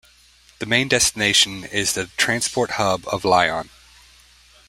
The main destination is the Transport hub of Lyon.